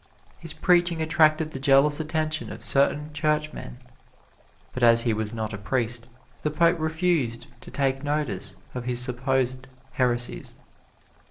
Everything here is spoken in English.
His preaching attracted the jealous attention of certain churchmen, but as he was not a priest, the Pope refused to take notice of his supposed heresies.